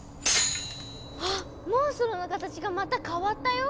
あっモンストロの形がまた変わったよ。